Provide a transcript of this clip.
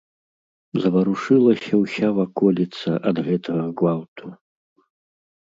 Заварушылася ўся ваколіца ад гэтага гвалту.